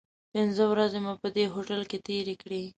پنځه ورځې مو په دې هوټل کې تیرې کړې.